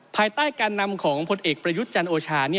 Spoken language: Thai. ภายใต้การนำของผลเอกประยุทธ์จันโอชา